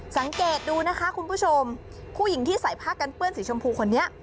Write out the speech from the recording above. สังเกตดูนะคะคุณผู้ชมผู้หญิงที่ใส่ผ้ากันเปื้อนสีชมพูคนนี้